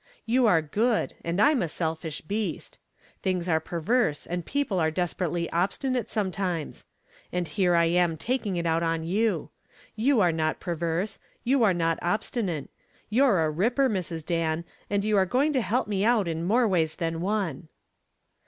You are good and I'm a selfish beast. Things are perverse and people are desperately obstinate sometimes. And here I am taking it out on you. You are not perverse. You are not obstinate. You are a ripper, Mrs. Dan, and you are going to help me out in more ways than one."